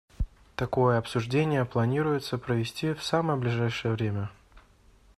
Такое обсуждение планируется провести в самое ближайшее время.